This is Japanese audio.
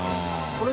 これ。